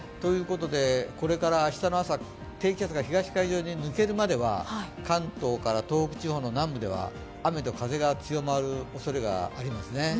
これから明日の朝、低気圧が東の海上に抜けるまでは関東から東北地方の南部では雨と風が強まるおそれがありますね。